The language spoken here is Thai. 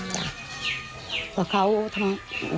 เด็กทำกับเขานะคุณครูก็รัก